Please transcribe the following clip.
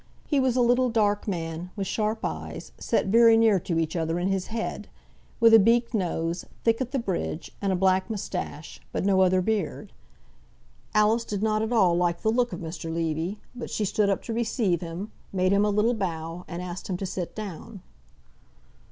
He was a little dark man, with sharp eyes, set very near to each other in his head, with a beaked nose, thick at the bridge, and a black moustache, but no other beard. Alice did not at all like the look of Mr. Levy, but she stood up to receive him, made him a little bow, and asked him to sit down.